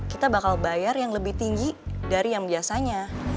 kita bakal bayar yang lebih tinggi dari yang biasanya